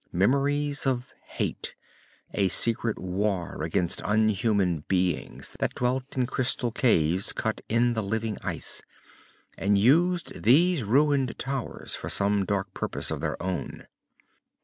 Memories of hate, a secret war against unhuman beings that dwelt in crystal cities cut in the living ice, and used these ruined towers for some dark purpose of their own.